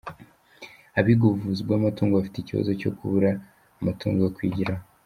Abiga ubuvuzi bw’amatungo bafite ikibazo cyo kubura yo amatungo yo kwigiraho